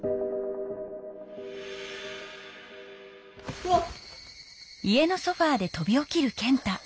うわっ。